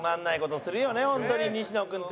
本当に西野君って。